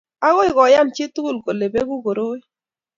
agoi kuyan chitugul kole beku koroi